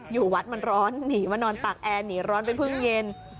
อยู่วัดมันร้อนหนีมานอนตากแอร์หนีร้อนเป็นพึ่งเย็น